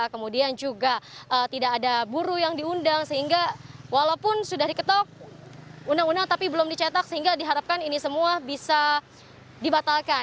kemudian juga tidak ada buruh yang diundang sehingga walaupun sudah diketok undang undang tapi belum dicetak sehingga diharapkan ini semua bisa dibatalkan